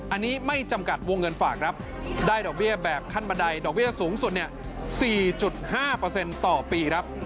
อันนี้ไม่จำกัดวงเงินฝากครับได้ดอกเบี้ยแบบขั้นบันไดดอกเบี้ยสูงสุด๔๕ต่อปีครับ